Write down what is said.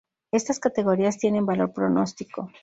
Estas categorías tienen valor pronóstico.